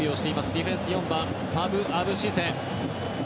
ディフェンス４番パブ・アブ・シセ。